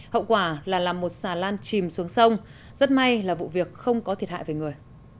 hậu quả là làm một xà lan chìm xuống sông rất may là vụ việc không có thiệt hại về người